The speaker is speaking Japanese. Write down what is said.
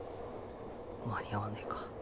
間に合わねぇか。